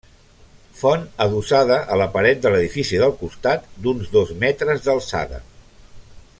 Font adossada a la paret de l'edifici del costat d'uns dos metres d'alçada.